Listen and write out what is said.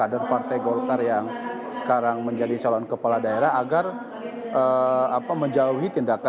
terima kasih pak